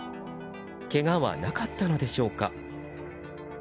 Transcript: けがはなかったのでしょうか。